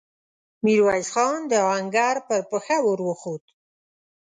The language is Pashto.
ميرويس خان د آهنګر پر پښه ور وخووت.